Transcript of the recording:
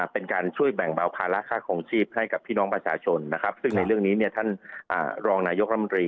เป็นการช่วยแบ่งเบาภาระค่าคลองชีพให้กับพี่น้องประชาชนนะครับซึ่งในเรื่องนี้ท่านรองนายกรรมตรี